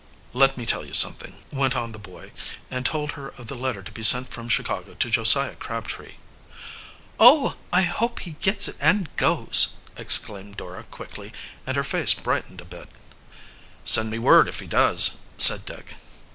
"Let me tell you something," went on the boy, and told her of the letter to be sent from Chicago to Josiah Crabtree. "Oh, I hope he gets it and goes!" exclaimed Dora quickly, and her face brightened a bit. "Send me word if he does," said Dick.